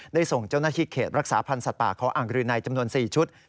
ได้ส่งเจ้าหน้าที่เขตรักษาพันธ์สัตว์ป่าเขาอ่างรืนัยจำนวน๔ชุด